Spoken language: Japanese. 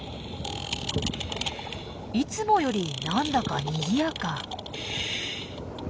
いつもよりなんだかにぎやか。